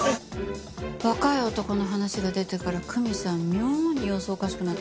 若い男の話が出てから久美さん妙に様子おかしくなっちゃって。